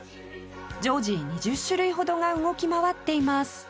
常時２０種類ほどが動き回っています